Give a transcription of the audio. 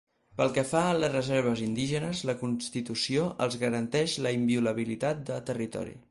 Pel que fa a les reserves indígenes, la constitució els garanteix la inviolabilitat de territori.